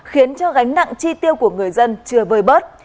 khiến cho gánh nặng chi tiêu của người dân chưa vơi bớt